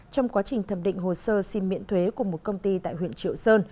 trong quá trình thẩm định hồ sơ xin miễn thuế của một công ty tại huyện triệu sơn